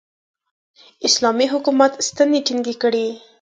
اسلامي حکومت ستنې ټینګې کړې.